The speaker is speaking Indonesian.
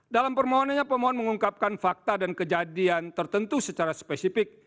dalam permohonannya pemohon mengungkapkan fakta dan kejadian tertentu secara spesifik